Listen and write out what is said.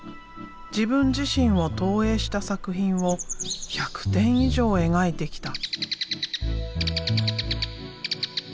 自分自身を投影した作品を１００点以上描いてきた。